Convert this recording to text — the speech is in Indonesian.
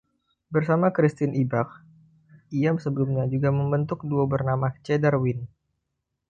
Bersama Christine Ibach, ia sebelumnya juga membentuk duo bernama Cedar Wind.